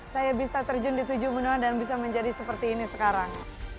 saya bisa terjun di tujuh benua dan bisa menjadi seperti ini sekarang